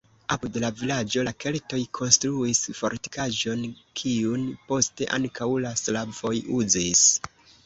Apud la vilaĝo la keltoj konstruis fortikaĵon, kiun poste ankaŭ la slavoj uzis.